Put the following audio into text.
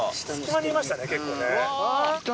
下にいましたね結構ね。